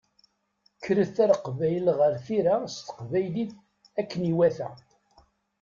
Kkret a Leqbayel ɣer tira s teqbaylit akken iwata!